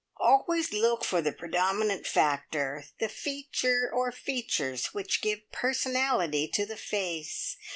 "Always look for the predominant factor the feature, or features, which give personality to the face.